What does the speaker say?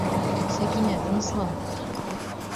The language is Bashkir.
Сәкинә, тыныслан!